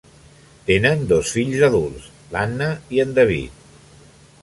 Tenen dos fills adults, l'Anna i en David.